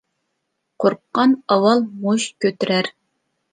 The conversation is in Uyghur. قورققان ئاۋۋال مۇشت كۆتۈرەر.